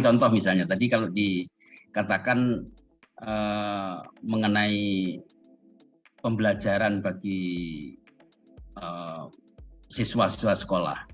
contoh misalnya tadi kalau dikatakan mengenai pembelajaran bagi siswa siswa sekolah